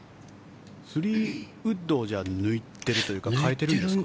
３ウッドを抜いてるというか変えてるんですかね。